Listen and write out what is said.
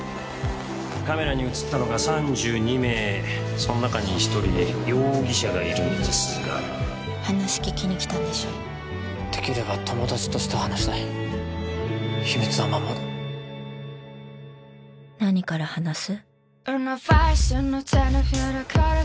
カメラに写ったのが３２名その中に一人容疑者がいるんですが話聞きに来たんでしょできれば友達として話したい秘密は守る何から話す？